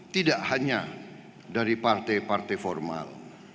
tidak hanya dari partai partai formal